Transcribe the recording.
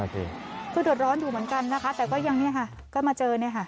ก็เดือดร้อนอยู่เหมือนกันนะคะแต่ก็ยังเนี่ยค่ะก็มาเจอเนี่ยค่ะ